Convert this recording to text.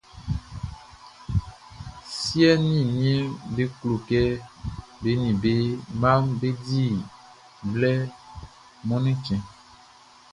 Siɛ ni niɛnʼm be klo kɛ be ni be mmaʼm be di blɛ Mɔnnɛn chtɛnʼn.